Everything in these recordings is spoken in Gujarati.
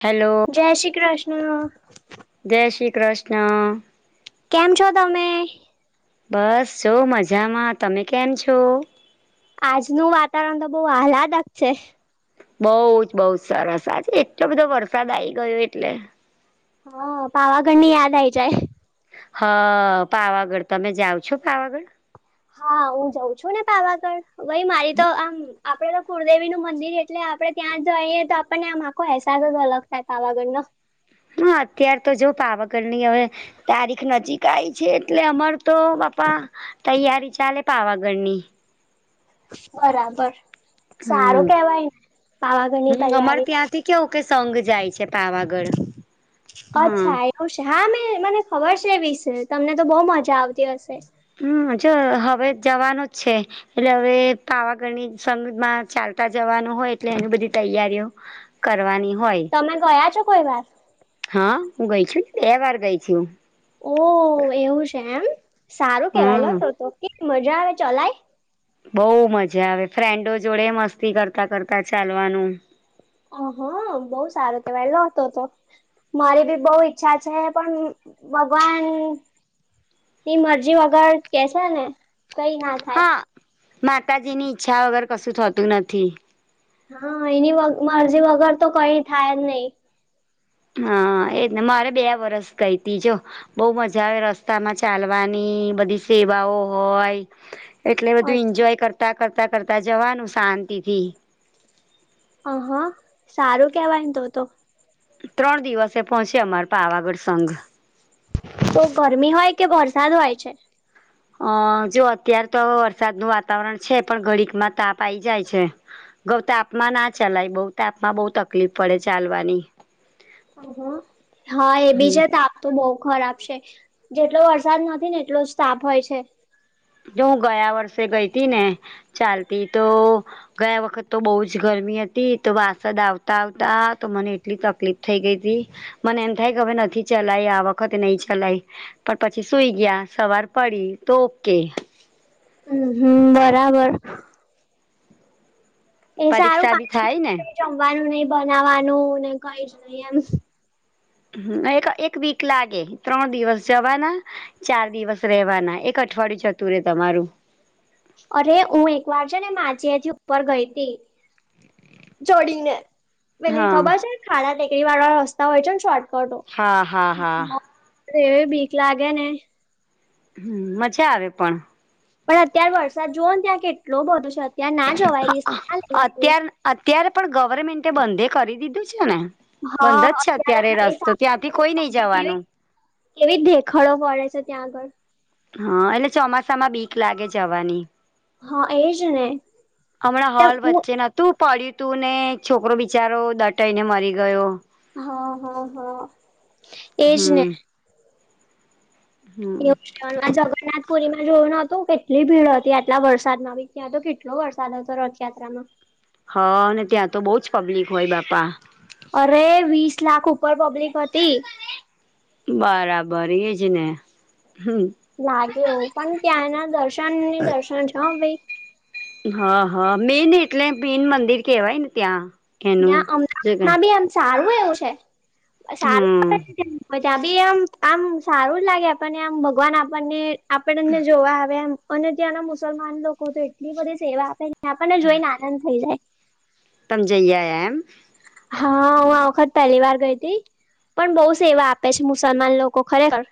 હેલો. ત શી કૃષ્ન. જય શ્રી કૃષ્ણ. કેમ છો તમે બસ જો મજામાં તમે કેમ છો. આજનું વાતાવરણ તો બહુ આહલાદક છે. બઉુ જ બહુ જ સરસ આજે એટલો બધો વરસાદ આ ગયો એટલે. હા પાવાગઢ ની યાદ આવી જાય. હ પાવાગઢ તમે જાઓ છો પાવાગઢ. હા હું જઉં છું ને પાવાગઢ ભાઈ મારી તો આમ. આપડે તો કુળદેવી નું મંદિર એટલે આપડે ત્યાં જઈએ તો આપણને આ માખો અહેસાસ જ અલગ થાય ત આગળનો. હ અત્ય્યારે તો જો પાવાગઢની હવે. તારીખ નજીકઈ છે એટલે અમાર તો બાપા. તૈયારી ચાલે પાવાગઢની. બરાબર સારું હમ કેહેવાય ને પાવાગઢની હમ અમારે તૈયારી ત્યાંથી કેવું કે સઘ જાય છે પાવાગઢ હા અચ્છા એવું છે હા મેં મને ખબર છે એ વિશે તમને તો બહુ મજા આવતી હશે. હમ જો હવે જવાનું જ છે. એટલે હવે પાવાગઢની સમજમાં ચાલતા જવાનું હોય એટલે એની બધી તૈયારીઓ. કરવાની હોય. તમે ગયા છો કોઈ વાર હા હું ગઈ છું એ વાર ગઈ છું ઓહ એવું છે એમ સારું કેવાયલો હમ હતું તો કે મજા આવે ચલાય બહુ મજા આવે ફ્રેન્ડો જોડે મસ્તી કરતા કરતા ચાલવાનું અહા બહુ સારો તવા એલો હતો હતો મારી બી બહુ ઈચ્છા છે પણ ભગવાન ની મરજી વગર કે છે ને કઈ ના થાય માતાજી ની ઈચ્છા વગર કશું થતું નથી. હા એની મરજી વગર તો કઈ થાય જ નહી હા એજ ને મારે બે વરસ ગઈ ત જો બહ મજા આવે રસ્તામાં ચાલવાની બધી સેવાઓ હોય. એટલે બધું અચ્છા એન્જોય કરતાં કરતાં કરતાં જવાનું શાંતિથી અ હા સારું કેવાયને તો તો ત્રણ દિવસે એ પહોંચે અમાર પાવાગઢ સંઘ તો ગરમી હોય કે વરસાદ હોય છે. અ જો અત્યાર તો વરસાદનું વાતાવરણ છે પણ ઘડીકમાં તાપ આઈ જાય છે. ગૌતાાપમાં ના ચલાય બૌતાાપમાં બહુ તકલીફ પડે ચાલવાની હા એ બીજ હમ. તાપ તો બહુ ખરાબ છે જેટલો વરસાદ નથી ને એટલો જ તાફ હોય છે. જો હું ગયા વર્ષે ગઈ હતી ને ચાલતી તો ગયા વખત તો બહુ જ ગરમી હતી તો વાસદ આવતા આવતા તો મને એટલી તકલીફ થઈ ગઈ હતી. મને એમ થાય કે હવે નથી ચલાય આ વખતે નહી ચલાય. પણ પછી સુઈ ગયા સવાર પડી તો ઓકે. હ હમ બરાબર. એ સારું પરીક્ષા બી પાંચ દિ થાય ને. કઈ જમવાનું નહ બનાવવાનું ને કઈ જ નઈ એમ. હ એક એક વીક લાગે ત્રણ દિવસ જવાના ચાર દિવસ રહેવાના એક અઠવાડિયું જતું રે તમારું. અરે હું એક વાર છે ને માજીથી ઉપર ગઈ હતી. જોડીને પેલી હા ખબર છે ખાડા નીકળરી વાળા રસ્તા હોય છે ને શોર્ટકટ હા હા હા. એવી બીક લાગે ને હમ મજા આવે પણ. પણ અત્યારે વરસાદ જોુન ત્યાં કેટલો બધો છે અત્યારે ના જવાય ર ના લેવાય. અત્યાર અત્યારે પણ ગવર્મેન્ટે બંધે કરી દીધું છે ને બંધ હા જ છે અત્યારે એ રસ્તો સારું ત્યાંથી કોઈ નહી લાગે, કેવી જવાનું. કેવી દેખડો પડે છે ત્યાં આગળ હા એટલે ચોમાસામાં બી લાગે જવાની હા એજ ને હમણાં એમ હોલ હું- વચ્ચે તું પડ્યું તું ને છોકરો બિચારો દટાઈને મરી ગયો. હા હા હા એજ ને. હમ હમ એવું જગન્નાથ પુરી માં જોયું ન હતું કેટલી ભીડ હતી આટલા વરસાદ માં બી ત્યાં તો કેટલો વરસાદ હતો રથયાત્રામાં. હા અનેને ત્યાં તો બહુ જ પબ્લિક હોય બાપા. અરે વીસ લાખ ઉપર પબ્લિક હતી. બરાબર એ જ ને હમ્મ. લાગે હો પણ ત્યાંના દર્શન ને દર્શન છ ભાઈ. હા હા મેન એટલે મેન મંદિર કેહેવાયને ત્યાં. એનું ના જગન અમદાવાદમાં બી એમ સારું એવું છે સારું હમ પછી ભી આમ આમ સારું જ લાગે આપણને આમ ભગવાન આપણને. આપણને એમને જોવા આવે એમ અને ત્યાંના મુસલમાન લોકો તો એટલી બધી સેવા આપે આપણને જોઈ ને આ ના થઈ જાય. તમ જઈ આયા એમ. હા હું આ વખત પહેલી વાર ગઈ હતી પણ બહુ સેવા આપે છે મુસલમાન લોકો ખરેખર.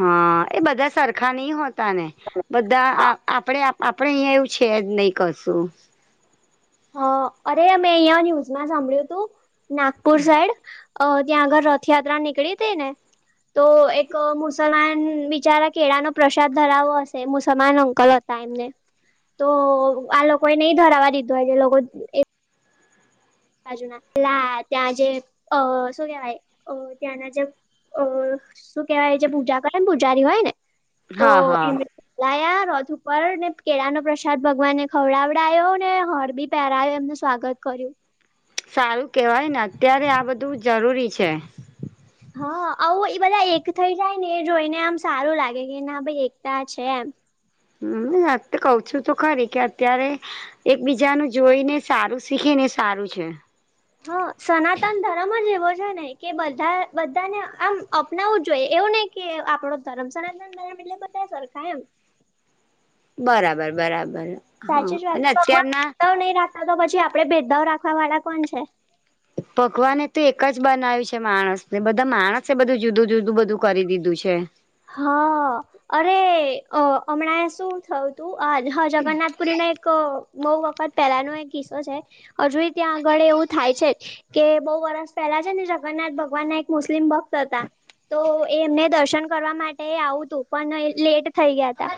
હા એ બધા સરખા નહી હોતા ને બધા આ આપણેે આપડે અહીયાયા એવું છે જ નહી કશું. હ અરે મેં અહીંયા ન્યૂઝમાં સાંભળ્યું તું નાગપુર સાઈડ અ ત્યાં આગળ રથયાત્રા નીકળી તી ને. તો એક મુસલમાન બિચારા કેડાનો પ્રસાદ ધરાવો હશે મુસલમાન અંકલત તેયામને તો આ લોકો એ નહી ધરાવા દીધો હોય જે લોકો એ બાજુ ના લા ત્યાં જે અ શું કેવાય અ ત્યાના જે. અ શું કેહેવાય જે પૂજા કરે ને પૂજારી હોય ને તો હા એ હા લાયા રથ ઉપર ને કેળા નો પ્રસાદ ભગવાનને ખવડાવડાયો ને હરબી પેરાય એમનું સ્વાગત કર્યું. સારું કહેવાય ને અત્યારે આ બધું જરૂરી છે હા આવું એ બધા એક થઇ જાય ને એ જોઈને આમ સારું લાગે કે ના ભાઈ એકતા છે એમ [unintelligible] કવ છું તો ખરી કે અત્યારે એકબીજા ન જોઈ ને સારું શીખે ને સારું છે હા સનાતન ધર્મ જ એવો છે ને કે બધા બધાને આમ અપનાવવું જોઈએ એવું નહિ કે આપડો ધર્મ સનાતન ધરમ એટલે બધા સરખા એમ બરાબર બરાબર હા સાચી જ વાત અને ભગવાન અત્યારના ભેદાનાવ નહી રાખતા તો પછી આપડે ભેદભાવ રાખવા વાળા કોણ છે ભગવાનેએ તો એક જ બનાવ્યું છે માણસને બધા માણસે બધું જુદું જુદું બધું કરી દીધું છે હા અરે અ હમણાં શું થયું તું આ હા જગન્નાથપુરીનો એક બઉુ વખત પહેલાનો એક કિસ્સો છે હજુ ત્યાં આગળ એવું થાય છે જ કે બહુ વરષ પહેલા છે ને જગન્નાથ ભગવાન ના એક મુસ્લિમ ભક્ત હતા તો એમને દર્શન ફરવા માટે આવું હતું પણ લેટ થઈ ગયા ત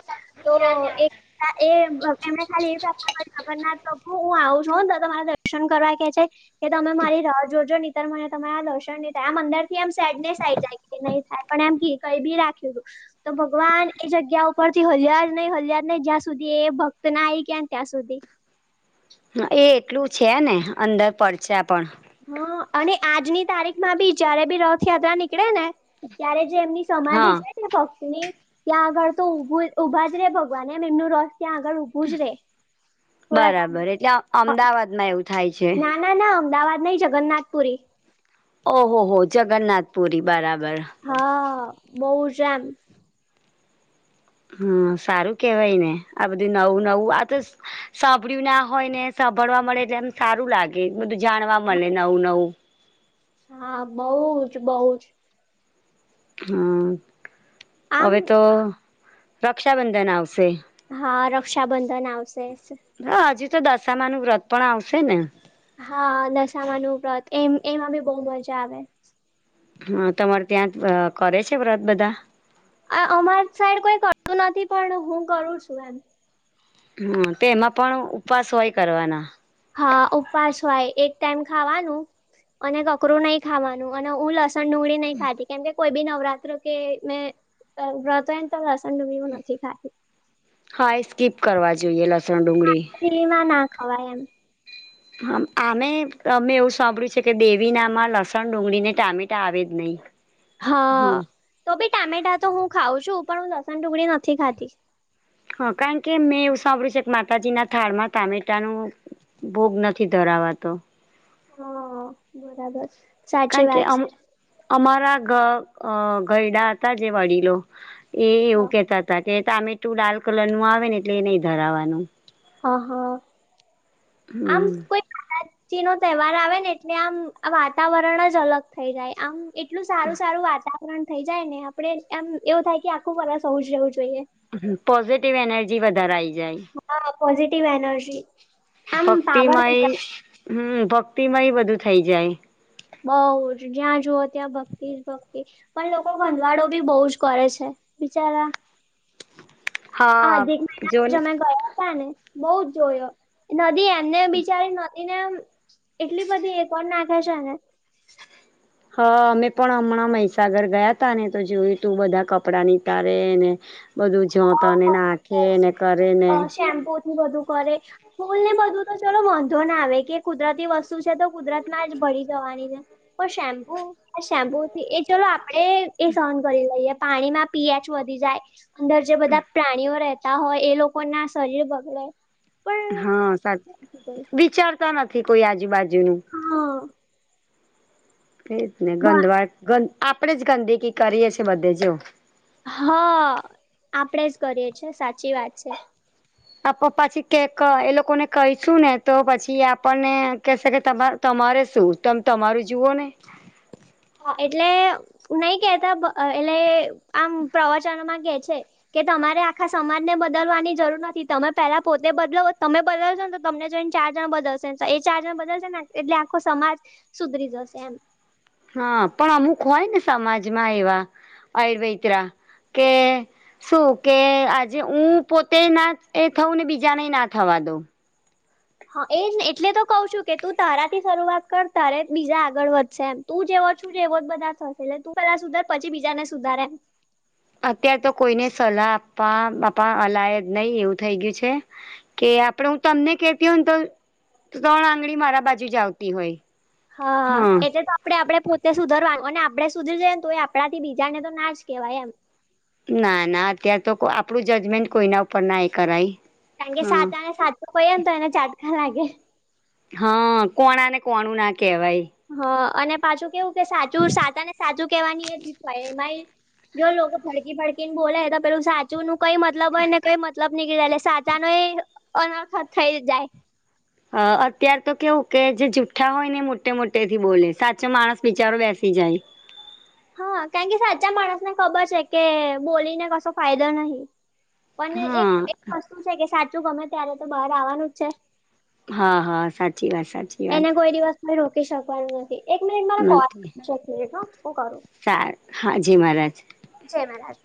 તો ના એ એમને ખાલી એવી પ્રાર્થના કર જગન્નાથ પ્રભુ હું આવું છું હો તમારા દર્શન કરવા કહેછે કે તમે મારી રાહ જોજો નીતર મને તમારા દર્શન ની થાહે આમ અંદર થી એમ સેડનેસ આઈ જાય કે નહી થાય પણ એમ કઈ બી રાખ્યું તું તો ભગવાન એ જગ્યા ઉપરથી હલ્યા જ નહી હલ્યા નહી જ્યાં સુધી એ ભક્ત ના આવી ગયા ને ત્યાં સુધી એ એટલું છે ને અંદર પરચા પણ હ અને આજની તારીખમાં બી જયારે બી રથયાત્રા નીકળે ને. ત્યારે જે એમની સમાધિ હા છે ભક્ત ની ત્યાં આગળ તો ઊભું ઉભા જ રે ભગવાન એમ એમનું રથ ત્યાં આગળ ઊભું જ રે થોડા બરાબર ટાઈમ એટલે અમદાવાદમાં એવું થાય છે ના ના ના અમદાવાદ નઈ જગન્નાથપુરી ઓહો હો જગન્નાથપુરી બરાબર હા બઉ જ એમ હમ્મ સારું કેવાય ને આ બધું નવું નવું આ તો સાંભળ્યું ના હોય ને સાંભળવા મળે એટલે એમ સારું લાગે બધું જાણવા મળે નવું નવું હા બઉ જ બઉ જ હમ્મ આમ હવે તો રક્ષાબંધન આવશે હા રક્ષાબંધન આવશે જ હ હજીુ તો દશામા નું વ્રત પણ આવશે ને. હા દસામાંનું વ્રત એમ એમાં બી બહ મજા આવે. હા તમારે ત્યાં જ કરે છે વ્રત બધા. અમાર સાઈડ કોઈ કરતું નથી પણ હું કરું છું એમ હમ્મ તો એમાં પણ ઉપવાસ હોય કરવાના. હા ઉપવાસ હોય એક ટાઈમ ખાવાનું અને કકરું નહી ખાવાનું અને ઉ લસન ડુંગળી નહી ખાતી કેમ કે કોઈ બી નવરાત્ર કે મે વ્રત હોય. લસણ ડુંબીવું નથી ખાતી. હા એ સ્કીપ કરવા જોઈએ લસણ ડુંગળી ફી માં ના ખવાય એમ. આમે અમે એવું સાંભળ્યું છે કે દેવીનામાં લસણ ડુંગળી ને ટામેટા આવે જ નહી. હા તો ભી ટામેટા તો હું ખાઉં છું પણ હું લસણ ડુગળી નથી ખાતી. હ કારણ કે મેં એવું સાંભળ છેે કે માતાજી ના થાળમાં ટામેટાનું ભોગ નથી ધરાવાતો. હા બરાબર છે. સાચી કારણ કે વાત અમારા ગ ગરડા હતા જે વડીલો એ હ એવું કેતા હતા કે તમેટું લાલ્ કલર નું આવે ને એટલે એ નહી ધરાવાનું. હ હા આમ હમ કોઈ માતાજી નો તહેવાર આવે ને એટલે આમ વાતાવરણ જ અલગ થઇ જાય આમ એટલું સારું સારું વાતાવરણ થઈ જાય ને આપડે એમ એવું થાય કે આખું વર્સ હોવું જ રહેવું જોઈએ. હ પોઝિટિવ એનર્જી વધારે આ આવી જાય. હા પોઝિટિવ એનર્જી. આમ પાવર ભક્તિમય આઈ જાય હમ્મ ભક્તિમય બધું થઇ જાય. બઉ જ જ્યાં જુઓ ત્યાં ભક્તિ જ ભક્તિ. પણ લોકો ભંધવાડો [unintelligible] બી બહુ જ કરે છે બિચારા હા અધિક મહિના જો જ ને અમે ગયા હતા ને બઉ જ જોયો નદી એમને બિચારી નથી એને એટલી બધી કોણ નાખે છે ને હા અમે પણ હમણાં મહીસાગર ગયા તા ને તો જોયું તું બધા કપડાં ની તારે ને બધું જતાને નાખે ને કરે ને શેમ્પુ થી બધું કરે ફૂલ ને બધું તો ચલો વાંધો ના આવે કે કુદરતી વસ્તુ છે તો કુદરત માં જ ભરી જવાની છે. પણ શેમ્પુ હ શેમ્પુ એ ચલો આપડે એ સહન કરી લઈએ પાણીમાં પીએચ વધી જાય અંદર જે બધા પ્રાણીઓ રહેતા હોય એ લોકો ના શરીર બગડે. પણ હા સાચ વિચારતા નથી કોઈ આજુબાજુનું. હા. તેજ ને બ- ગંધવાડ ગંદ આપણે જ ગંદ કે કરીએ છે બધે. હા આપડે જ કરીએ છે સાચી વાત છે. આપડે પછી કેક એ લોકોને કહીશું ને તો પછી આપણને કહેશે કે તમા તમારે શું તમે તમારું જુઓ ને. હા એટલે નહી કેતા એટલે આમ પ્રવચનમાં કે છે. કે તમારે આખા સમાજને બદલવાની જરૂર નથી તમે પેલા પોતે બદલાવો તમે બદલશો ને તમને જોઈને ચાર જણ બદલશે તો એ ચાર જણ બદલશે ને એટલે આખો સમાજ સુધરી જશે એમ. હા પણ અમુક હોય ને સમાજમાં એવા આયુર્વેદરા [unintelligible] કે શું કે આજે હું પોતે ના એ થઉું ને બીજાને ના થવા દઉં. હા એજ એટલે તો કઉ છું કે તું તારાથી શરૂઆત કર તારે જ બીજા આગળ વધશે એમ. તું જેવો છું જેવો જ બધા થશે એટલે તું પેલાા સુધાર પછી બીજા ને સુધારે. અત્ય્યારે તો કોઈને સલાહ આપવા બાપા અલાય જ નહીિ એવું થઈ ગયું છે. કે આપડે હું તમને કેતી હોય ને તો ત્રણ આંગળી મારા બાજુ જ આવતી હોય. હા એજ તો આપણે આપણે પોતે સુધરવાનું અને આપડણે સુધરી જએ ને તો એ આપણા થી બીજાને તો ના જ કહેવાય એમ. ના ના અત્યારે તો આપણું જજમેન્ટ કોઈના ઉપર નાય કરાય કારણ કે હા સાતા ને સાચું કહે ને તો એને ચાટ કા લાગે હા કોણા ને કોણું ના કહેવાય હા અને પાછું કેવું કે સાચું સાચા ને સાચું કેવાની એ દીખવાય એમ. જો લોકો ફડકી ફડકીને બોલે તો પેલું સાચું કઈ મતલબ હો ને કઈ મતલબ નઈ કધે સા નું એ અનખત થઈ જાય. અ અત્ય્યારે તો કેવું કે જે જુઠ્ઠા હોય ને મોટે મોટેથી બોલે સાચો માણસ બિચારો બેસી જાય. હા કારણ કે સાચા માણસને ખબર છે કે બોલીને કસો ફાયદો નહી. પણ એક હા વસ્તુ છે કે સાચું ગમે ત્યારે તો બહાર આવવાનું જ છે. હા હા સાચી વાત સાચી એને વાત કોઈ દિવસ રોકી શકવાનું નથી એક મિનિટ મારે કોલ એક મિનિટ હું કરું સારુ હાજી મહારાજ જય મહારાજ